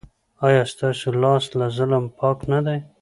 ایا ستاسو لاس له ظلم پاک نه دی؟